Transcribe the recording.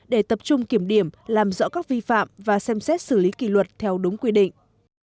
để tập trung kiểm điểm làm rõ các vi phạm và xem xét xử lý kỷ luật theo đúng quy định